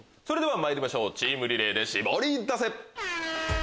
それではまいりましょうチームリレーでシボリダセ！